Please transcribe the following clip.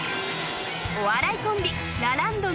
［お笑いコンビ］